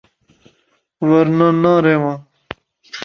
ورنہ ناں رہوّا۔